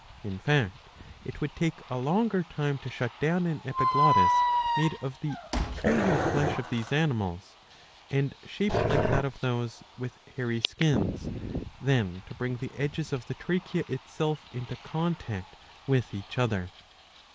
^ In fact it would take a longer time to shut down an epiglottis made of the peculiar flesh of these animals, and shaped like that of those with hairy skins, than to bring the edges of the trachea itself into contact with each other.